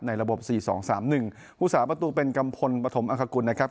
ในระบบ๔๒๓๑ภูกษาประตูเป็นกำพลปฐมอังคกรนะครับ